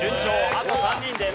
あと３人です。